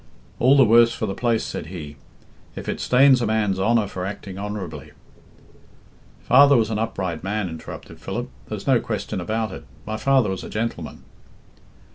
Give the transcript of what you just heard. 'All the worse for the place,' said he, 'if it stains a man's honour for acting honourably.'" "Father was an upright man," interrupted Philip. "There's no question about it, my father was a gentleman."